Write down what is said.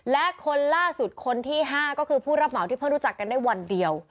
และคนล่าสุดคนที่๕ก็คือผู้รับเหมาที่เพิ่งรู้จักกันได้วันเดียว